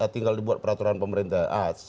tinggal dibuat peraturan pemerintah